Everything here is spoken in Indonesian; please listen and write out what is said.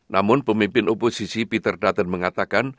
namun pemimpin oposisi peter dutton mengatakan